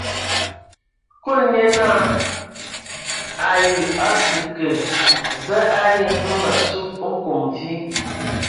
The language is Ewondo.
Kúlu nye naa: A o akǝ kə, za a ayi hm ma sug nkom vi?